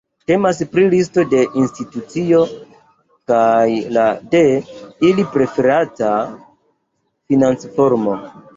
Temas pri listo de institucioj kaj la de ili preferata financformo.